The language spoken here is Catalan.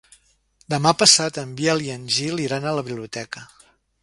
Demà passat en Biel i en Gil iran a la biblioteca.